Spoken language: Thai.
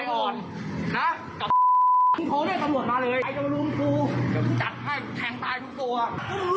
พี่โทษเนี่ยสะดวกมาเลยใครจะมารู้มันกู